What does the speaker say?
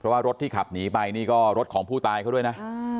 ว่ารถที่ขับหนีไปนี่ก็รถของผู้ตายเขาด้วยนะ